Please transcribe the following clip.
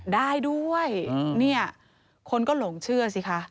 ได้ด้วยเนี่ยคนก็หลงเชื่อสิคะ